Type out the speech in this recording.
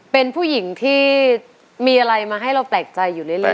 เป็นผู้หญิงที่มีอะไรมาให้เราแปลกใจอยู่เรื่อย